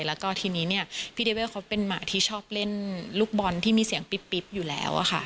แล้วก็ทีนี้เนี่ยพี่เดเวลเขาเป็นหมาที่ชอบเล่นลูกบอลที่มีเสียงปิ๊บอยู่แล้วค่ะ